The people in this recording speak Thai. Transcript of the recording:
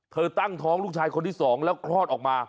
ตั้งท้องลูกชายคนที่๒แล้วคลอดออกมา